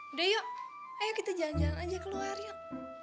udah yuk ayo kita jalan jalan aja keluar yuk